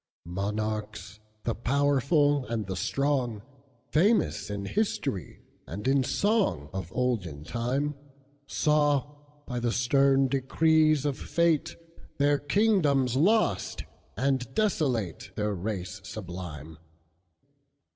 Monarchs, the powerful and the strong, Famous in history and in songOf olden time, Saw, by the stern decrees of fate, Their kingdoms lost, and desolateTheir race sublime.